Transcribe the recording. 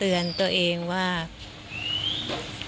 เรื่องเกษตรทฤษฎีใหม่และความพอเพียงของในหลวงรัชกาลที่๙